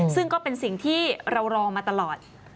ซึ่งก็เป็นสิ่งที่เรารอมาตลอด